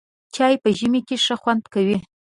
چای په ژمي کې ښه خوند کوي.